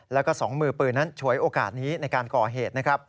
และสองมือปืนนั้นชวยโอกาสนี้ในการก่อเหตุ